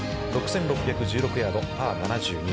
６６１６ヤード、パー７２。